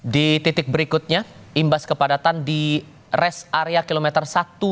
di titik berikutnya imbas kepadatan di res area kilometer satu ratus enam puluh enam